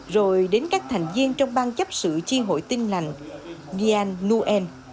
rồi đến các thành viên trong bang chấp sự chi hội tinh lành nian nguyen